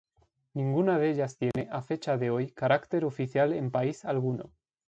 Ninguna de ellas tiene, a fecha de hoy, carácter oficial en país alguno.